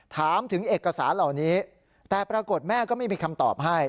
ถามถึงเอกสารเหล่านี้แต่ปรากฏแม่ก็ไม่มีคำตอบให้